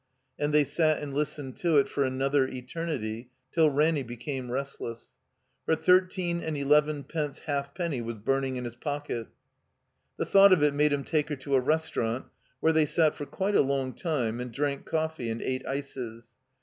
And they sat and listened to it for another eter nity, till Ranny became restless. For thirteen and eleven pence halfpenny was burning in his pocket. The thought of it made him take her to a restau rant where they sat for quite a long time and drank coffee and ate ices.